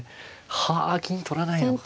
はあ金取らないのか。